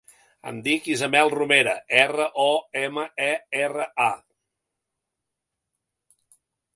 Em dic Isabel Romera: erra, o, ema, e, erra, a.